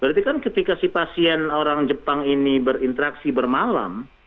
berarti kan ketika si pasien orang jepang ini berinteraksi bermalam